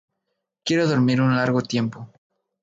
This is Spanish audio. Quiero dormir un largo tiempo.